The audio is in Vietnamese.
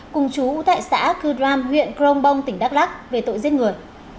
cùng chú tại xã cư đoan huyện crong bông tỉnh đắk lắc về tội giết người